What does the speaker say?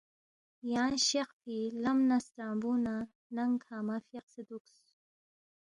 یانگ شقفی لم نہ سترانگبو نہ ننگ کھنگمہ فیاقسے دوکس